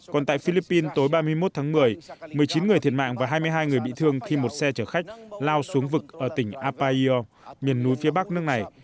còn tại philippines tối ba mươi một tháng một mươi một mươi chín người thiệt mạng và hai mươi hai người bị thương khi một xe chở khách lao xuống vực ở tỉnh apayio miền núi phía bắc nước này